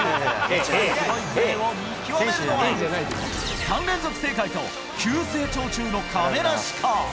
一番すごいプレーを見極めるのは、３連続正解と急成長中の亀梨か。